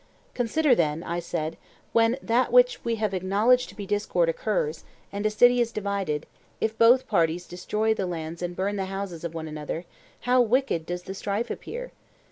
Consider then, I said, when that which we have acknowledged to be discord occurs, and a city is divided, if both parties destroy the lands and burn the houses of one another, how wicked does the strife appear!